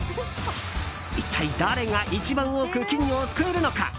一体、誰が一番多く金魚をすくえるのか。